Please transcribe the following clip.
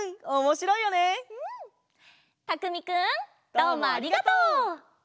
どうもありがとう！